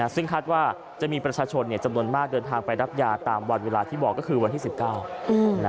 ซึ่งคาดว่าจะมีประชาชนจำนวนมากเดินทางไปรับยาตามวันเวลาที่บอกก็คือวันที่๑๙